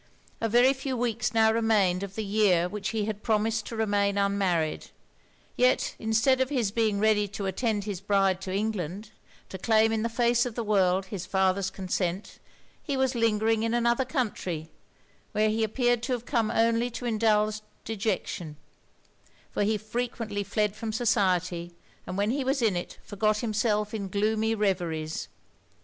A very few weeks now remained of the year which he had promised to remain unmarried; yet instead of his being ready to attend his bride to England, to claim in the face of the world his father's consent, he was lingering in another country, where he appeared to have come only to indulge dejection; for he frequently fled from society, and when he was in it, forgot himself in gloomy reveries.